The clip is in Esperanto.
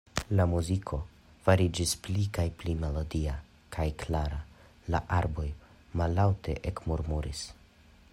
La muziko fariĝis pli kaj pli melodia kaj klara; la arboj mallaŭte ekmurmuris.